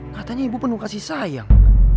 katanya ibu penuh kasih sayang